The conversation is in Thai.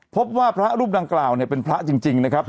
พบว่าพระรูปดังกล่าวเนี่ยเป็นพระจริงนะครับ